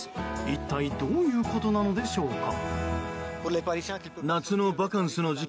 一体どういうことなのでしょうか。